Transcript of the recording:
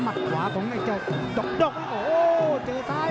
ติดตามยังน้อยกว่า